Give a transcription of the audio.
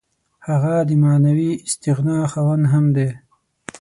هغه د معنوي استغنا خاوند هم دی.